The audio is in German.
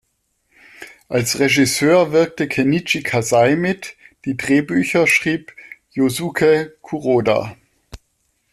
Als Regisseur wirkte Kenichi Kasai mit, die Drehbücher schrieb Yōsuke Kuroda.